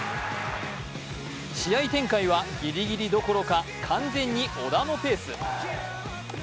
試合展開はギリギリどころか完全に小田のペース。